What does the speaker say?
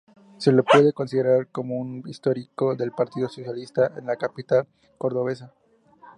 Se le puede considerar como un histórico del Partido Socialista en la capital cordobesa.